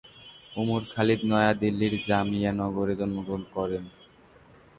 উমর খালিদ নয়া দিল্লির জামিয়া নগরে জন্মগ্রহণ করেন।